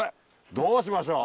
どうしましょう。